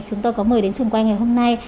chúng tôi có mời đến trường quay ngày hôm nay